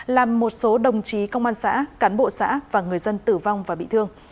làm một số đồng chí công an xã cán bộ xã và người dân tử vong và bị thương